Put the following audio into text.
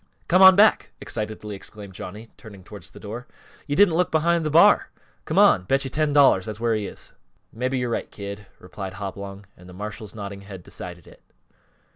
"Come on back!" excitedly exclaimed Johnny, turning towards the door. "You didn't look behind th' bar! Come on bet you ten dollars that's where he is!" "Mebby yo're right, Kid," replied Hopalong, and the marshal's nodding head decided it.